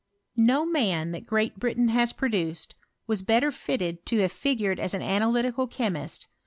No man that Great Britain has produced was bet ter fitted to have figured as an analytical chemiat.